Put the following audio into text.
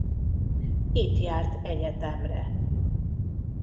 Itt járt egyetemre.